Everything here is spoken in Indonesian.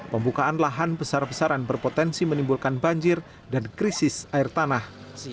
pembukaan lahan besar besaran berpotensi menimbulkan banjir dan krisis air tanah